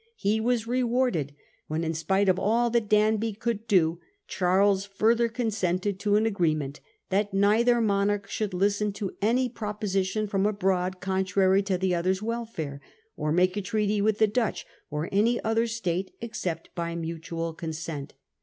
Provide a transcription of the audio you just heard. He was rewarded when, in spite of all that Danby could do, Charles further consented to an agreement that neither monarch should listen to any MM. R 242 Louis : William Charles ; Parliament 1676. proposition from abroad contrary to the other's welfaie, or make a treaty with the Dutch or any other State except by mutual consent.